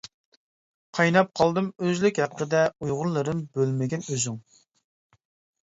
قايناپ قالدىم ئۆزلۈك ھەققىدە، ئۇيغۇرلىرىم بۆلمىگىن ئۆزۈڭ.